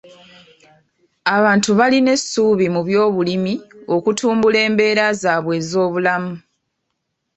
Abantu baalina essuubi mu byobulimi okutumbula embeera zaabwe ez'obulamu.